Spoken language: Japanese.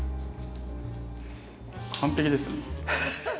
完璧ですね。